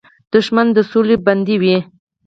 دښمن د سولې بنده وي